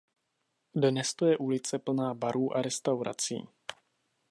Dnes to je ulice plná barů a restaurací.